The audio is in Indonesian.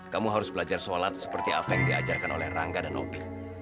kamu harus belajar sholat seperti apa yang diajarkan oleh rangga dan nobi